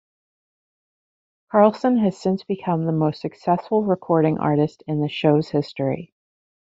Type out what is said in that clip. Carlsson has since become the most successful recording artist in the show's history.